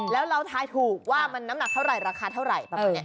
แล้วถ่ายถูกด้วยว่าน้ำหนักเท่าไหร่ราคาเท่าไหร่